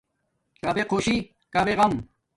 کھبے خوشی کھبے غم